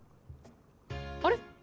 あれ？